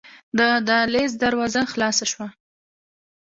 د دهلېز دروازه خلاصه شوه.